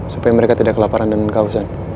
supaya mereka tidak kelaparan dan kawusan